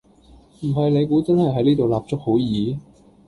唔係你估真係喺呢度立足好易?